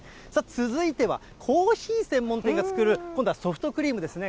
続いては、コーヒー専門店が作る今度はソフトクリームですね。